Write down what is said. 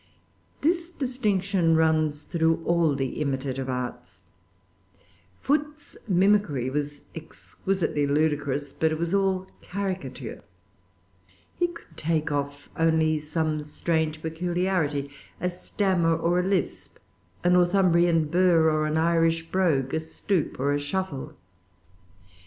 [Pg 382] This distinction runs through all the imitative arts. Foote's mimicry was exquisitely ludicrous, but it was all caricature. He could take off only some strange peculiarity, a stammer or a lisp, a Northumbrian burr or an Irish brogue, a stoop or a shuffle.